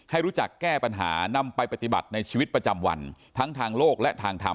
ให้รู้จักแก้ปัญหานำไปปฏิบัติในชีวิตประจำวันทั้งทางโลกและทางธรรม